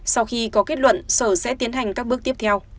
sau khi có kết luận sở sẽ tiến hành các bước tiếp theo